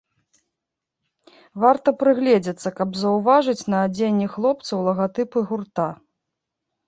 Варта прыгледзецца, каб заўважыць на адзенні хлопцаў лагатыпы гурта.